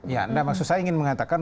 ya enggak maksud saya ingin mengatakan